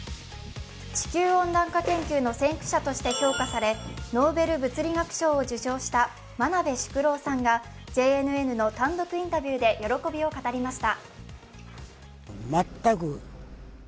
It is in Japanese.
地球温暖化研究の先駆者として評価されノーベル物理学賞を受賞した真鍋淑郎さんがＪＮＮの単独インタビューで喜びを語りました。